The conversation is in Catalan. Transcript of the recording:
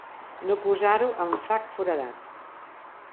No posar-ho en sac foradat.